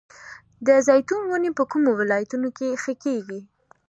د زیتون ونې په کومو ولایتونو کې ښه کیږي؟